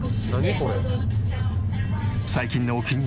これ。